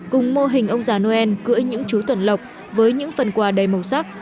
cùng mô hình ông già noel cưỡi những chú tuần lọc với những phần quà đầy màu sắc